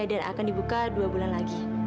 dan akan dibuka dua bulan lagi